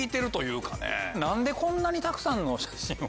何でこんなにたくさんの写真を。